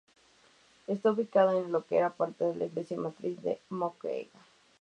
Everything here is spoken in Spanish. Esta ubicada en lo que era parte de la Iglesia Matriz de Moquegua.